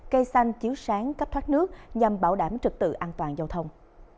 cây xanh chiếu sáng cách thoát nước nhằm bảo đảm trực tự an toàn giao thông